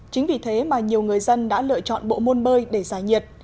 chính vì thế mà nhiều người dân đã lựa chọn bộ môn bơi để giải nhiệt